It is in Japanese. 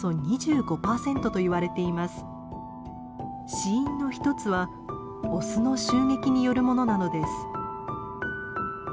死因の一つはオスの襲撃によるものなのです。